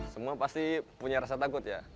semua pasti punya rasa takut ya